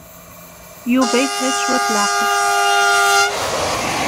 Yuba yeffeɣ-it cwiṭ leɛqel.